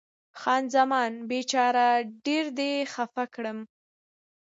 خان زمان: بیچاره، ډېر دې خفه کړم.